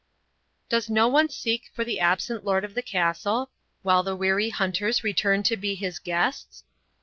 Does no one seek for the absent lord of the castle, while the weary hunters return to be his guests?